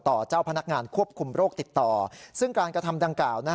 เจ้าพนักงานควบคุมโรคติดต่อซึ่งการกระทำดังกล่าว